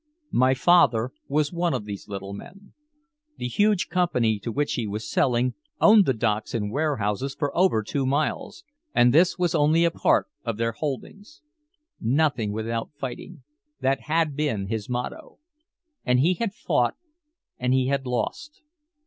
My father was one of these little men. The huge company to which he was selling owned the docks and warehouses for over two miles, and this was only a part of their holdings. "Nothing without fighting." That had been his motto. And he had fought and he had lost.